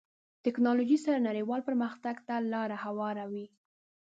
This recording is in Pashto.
ټکنالوژي سره نړیوال پرمختګ ته لاره هواروي.